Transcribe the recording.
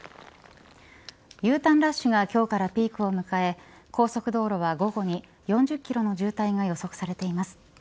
Ｕターンラッシュが今日からピークを迎え高速道路は午後に４０キロの渋滞が予測されています。